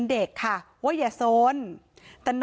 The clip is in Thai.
พนักงานในร้าน